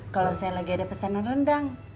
kalau saya lagi ada pesanan rendang